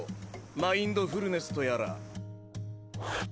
マインドフルネスとやら。